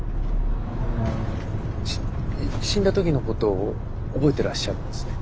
し死んだ時のことを覚えてらっしゃるんですね。